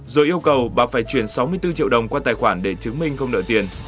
rồi yêu cầu bà phải chuyển sáu mươi bốn triệu đồng qua tài khoản để chứng minh không nợ tiền